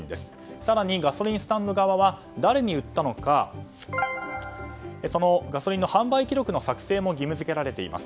更にガソリンスタンド側は誰に売ったのかそのガソリンの販売記録の作成も義務付けられています。